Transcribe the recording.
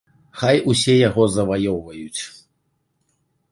Хай усе яго заваёўваюць.